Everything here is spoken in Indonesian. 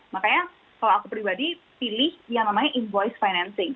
makanya kalau aku pribadi pilih yang namanya envoyce financing